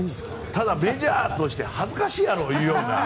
ただ、メジャーとして恥ずかしいやろっていうような。